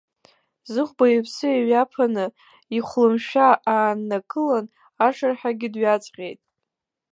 Зыхәба иԥсы ҩаԥаны ихәлымшәа ааннакылан, ашырҳәагьы дҩаҵҟьеит.